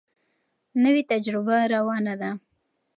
نوې تجربه روانه ده.